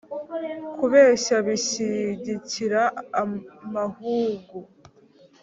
kubeshya bishyigikira amahugu